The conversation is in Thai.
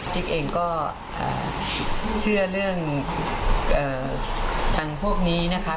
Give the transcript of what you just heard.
จิ๊กเองก็เชื่อเรื่องทางพวกนี้นะคะ